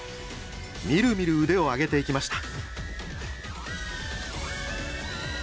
みるみる腕を上げていきました。